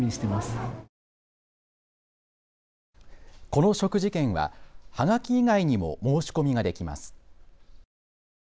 この食事券は、はがき以外にも申し込みができます。